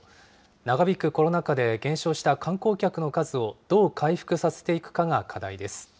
長引くコロナ禍で減少した観光客の数をどう回復させていくかが課題です。